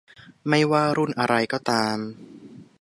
ไม่ว่ารุ่นอะไรก็ตาม